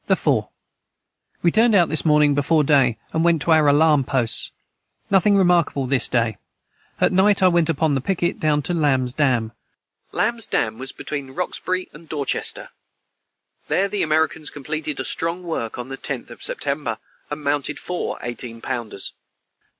the 4. We turned out this morning before day and went to our alarm post nothing remarkable this day at night I went upon the piquet down to Lambs Dam nothing more remarkable. [Footnote 152: Lamb's dam was between Roxbury and Dorchester. There the Americans completed a strong work on the 10th of September, and mounted four eighteen pounders.